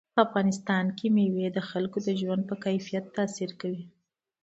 په افغانستان کې مېوې د خلکو د ژوند په کیفیت تاثیر کوي.